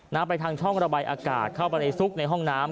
ไปทางช่องระบายอากาศเข้าไปในซุกในห้องน้ำ